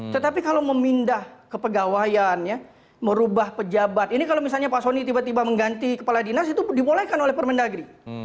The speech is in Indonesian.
tetapi kalau memindah kepegawaian merubah pejabat ini kalau misalnya pak soni tiba tiba mengganti kepala dinas itu dibolehkan oleh permendagri